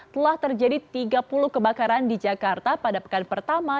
telah terjadi tiga puluh kebakaran di jakarta pada pekan pertama